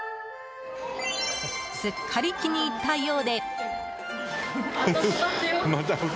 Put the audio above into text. すっかり気に入ったようで。